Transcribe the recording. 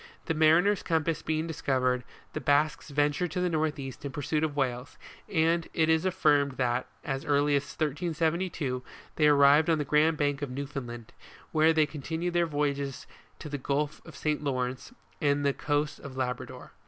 The mariner's compass being discovered, the Basques ventured to the north east in pursuit of w r hales, and it is affirmed that, as early as 1372, they arrived on the grand bank of New foundland, whence they continued their voyages to the Gulf of St. Lawrence, and the coasts of Labrador.